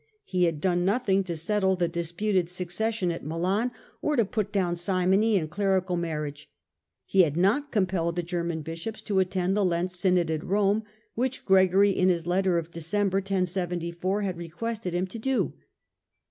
He had done nothing to settle the disputed succession .gitized by Google 102 HiLDRBRAND at Milan, or to put down simony and clerical marriage ; he had not compelled the German bishops to attend the Lent synod at Rome, which Gregory in his letter of December (1074) had requested him to do.